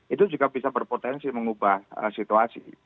itu juga bisa berpotensi mengubah situasi